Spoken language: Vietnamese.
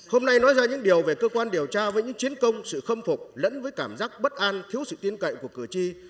hôm nay nói ra những điều về cơ quan điều tra với những chiến công sự khâm phục lẫn với cảm giác bất an thiếu sự tin cậy của cử tri